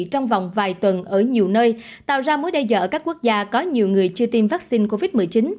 trong vòng vài tuần ở nhiều nơi tạo ra mối đe dọa ở các quốc gia có nhiều người chưa tiêm vaccine covid một mươi chín